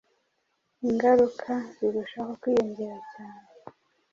ingaruka zirushaho kwiyongera cyane